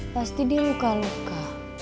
pasti dia luka luka